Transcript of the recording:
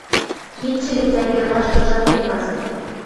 кидшӹ гӹц ӓнгӹрваштыржат кенвазын.